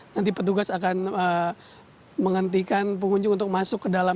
nanti petugas akan menghentikan pengunjung untuk masuk ke dalam